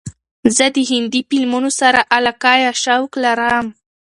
زه د هندې فیلمونو سره علاقه یا شوق لرم.